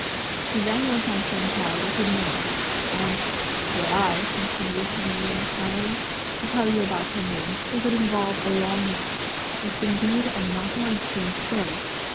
He then went on to enquire what her name was; and "Were I," continued Ming Yen smiling, "to tell you about her name it would involve a long yarn; it's indeed a novel and strange story!